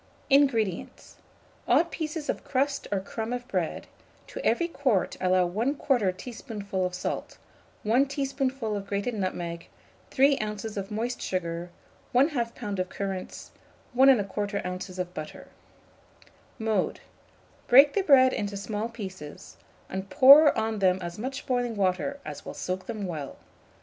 INGREDIENTS. Odd pieces of crust or crumb of bread; to every quart allow 1/2 teaspoonful of salt, 1 teaspoonful of grated nutmeg, 3 oz. of moist sugar, 1/2 lb. of currants, 1 1/4 oz. of butter. Mode. Break the bread into small pieces, and pour on them as much boiling water as will soak them well.